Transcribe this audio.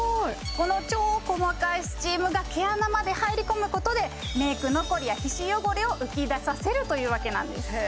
この超細かいスチームが毛穴まで入り込むことでメイク残りや皮脂汚れを浮き出させるというわけなんですへえ